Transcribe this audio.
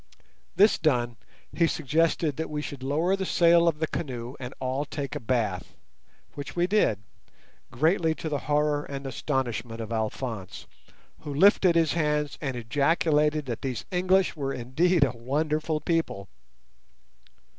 This done, he suggested that we should lower the sail of the canoe and all take a bath, which we did, greatly to the horror and astonishment of Alphonse, who lifted his hands and ejaculated that these English were indeed a wonderful people.